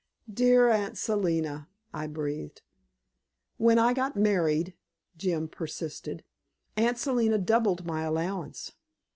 "Dear Aunt Selina," I breathed. "When I got married," Jim persisted, "Aunt Selina doubled my allowance.